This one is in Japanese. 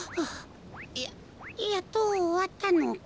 ややっとおわったのか？